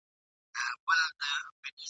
یو مرغه وو په ځنګله کي اوسېدلی ..